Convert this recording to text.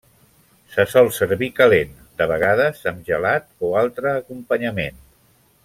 Se sol servir calent, de vegades amb gelat o altre acompanyament.